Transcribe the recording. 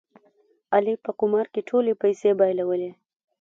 علي په قمار کې ټولې پیسې بایلولې.